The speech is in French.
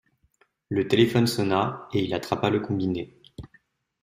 Le téléphone sonna et il attrapa le combiné.